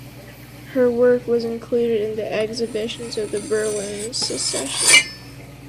Her work was included in the exhibitions of the Berlin Secession.